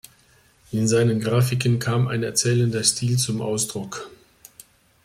In seinen Grafiken kam ein erzählender Stil zum Ausdruck.